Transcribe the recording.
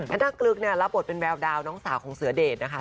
แอนน่ากลึกรับบทเป็นแวลดาวน้องสาวของเสือเดชนะคะ